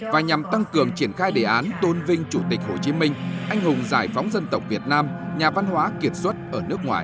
và nhằm tăng cường triển khai đề án tôn vinh chủ tịch hồ chí minh anh hùng giải phóng dân tộc việt nam nhà văn hóa kiệt xuất ở nước ngoài